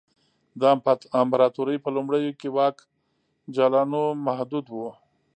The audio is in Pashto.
د امپراتورۍ په لومړیو کې واک جالانو محدود و